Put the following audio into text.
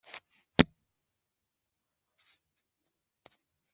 iyobya n inyigisho z abadayimoni